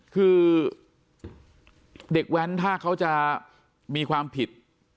คือเด็กแว้นถ้าเขาจะมีความผิด